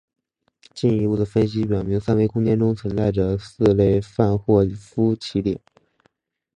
进一步的分析表明三维空间中存在着四类范霍夫奇点。